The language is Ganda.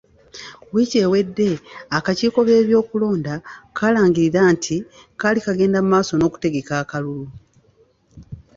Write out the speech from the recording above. Wiiki ewedde akakiiko k'ebyokulonda kaalangirira nti kaali kagenda mu maaso n'okutegaka akalululu.